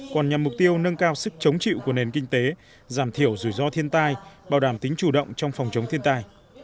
còn nhằm mục tiêu nâng cao sức chống chịu của nền kinh tế giảm thiểu rủi ro thiên tai bảo đảm tính chủ động trong phòng chống thiên tai